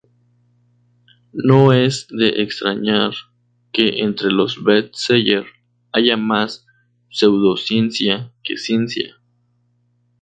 No es de extrañar que entre los best seller haya más pseudociencia que ciencia.